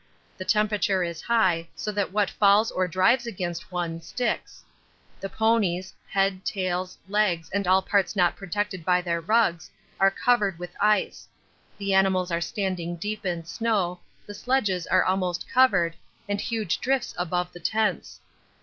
The temperature is high, so that what falls or drives against one sticks. The ponies head, tails, legs, and all parts not protected by their rugs are covered with ice; the animals are standing deep in snow, the sledges are almost covered, and huge drifts above the tents.